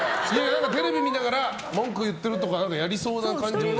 テレビを見ながら文句を言ってるとかやりそうなね。